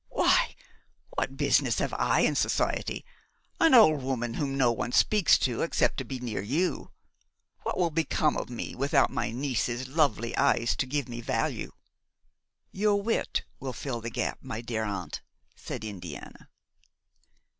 "Why, what business have I in society, an old woman whom no one speaks to except to be near you? What will become of me without my niece's lovely eyes to give me value?" "Your wit will fill the gap, my dear aunt," said Indiana.